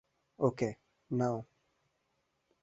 ওকে, নাও।